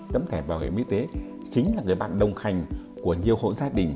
tấm thẻ bảo hiểm y tế chính là người bạn đồng hành của nhiều hộ gia đình